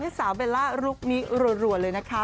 ให้สาวเบร่ารุกนี้รวดเลยก็ค่ะ